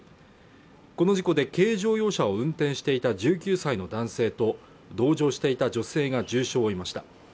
この事故で軽乗用車を運転していた１９歳の男性と同乗していた女性が重傷を負いました